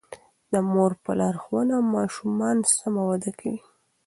د مور په لارښوونه ماشومان سم وده کوي.